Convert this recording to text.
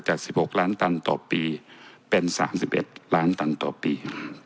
จาก๑๖ล้านตันต่อปีเป็น๓๑ล้านตันต่อปี